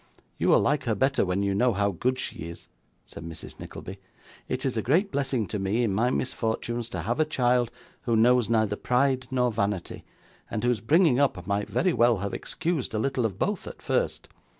'You will like her better when you know how good she is,' said Mrs Nickleby. 'It is a great blessing to me, in my misfortunes, to have a child, who knows neither pride nor vanity, and whose bringing up might very well have excused a little of both at first.